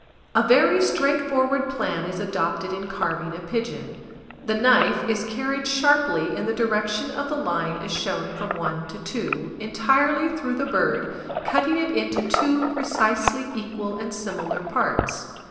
A very straightforward plan is adopted in carving a pigeon: the knife is carried sharply in the direction of the line as shown from 1 to 2, entirely through the bird, cutting it into two precisely equal and similar parts.